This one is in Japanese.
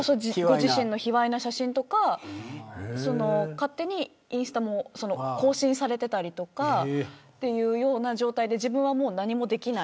自身の卑わいな写真とか勝手にインスタも更新されてたりとかという状態で自分は何もできない。